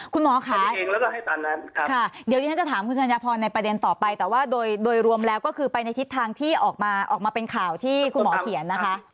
คุณหมอค่ะค่ะเดี๋ยวที่ฉันจะถามคุณสัญญาพรในประเด็นต่อไปแต่ว่าโดยรวมแล้วก็คือไปในทิศทางที่ออกมาออกมาเป็นข่าวที่คุณหมอเขียนนะคะ